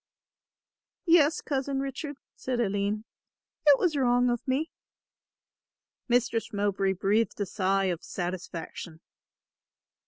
"Yes, Cousin Richard," said Aline, "it was wrong of me." Mistress Mowbray breathed a sigh of satisfaction.